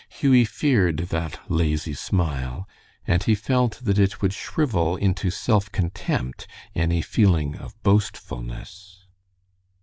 Hughie feared that lazy smile, and he felt that it would shrivel into self contempt any feeling of boastfulness.